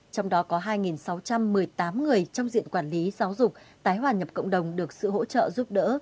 trong đó có hai sáu trăm một mươi tám người trong diện quản lý giáo dục tái hòa nhập cộng đồng được sự hỗ trợ giúp đỡ